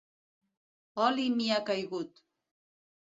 Oli m'hi ha caigut!